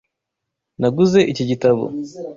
Naguze iki gitabo.